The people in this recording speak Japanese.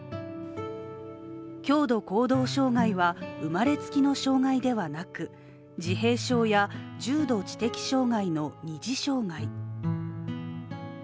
強度行動障害は生まれつきの障害ではなく自閉症や重度知的障害の二次障害。